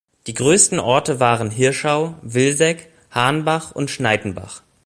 Die größten Orte waren Hirschau, Vilseck, Hahnbach und Schnaittenbach.